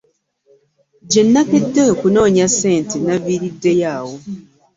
Gye nakedde okunoonya ssente naviiriddeyo awo.